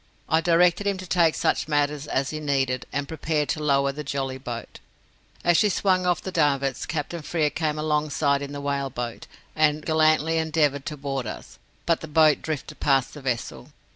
I directed him to take such matters as he needed, and prepared to lower the jolly boat. As she swung off the davits, Captain Frere came alongside in the whale boat, and gallantly endeavoured to board us, but the boat drifted past the vessel.